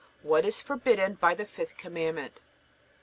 What is forbidden by the fifth Commandment?